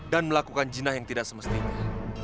dan melakukan jinah yang tidak semestinya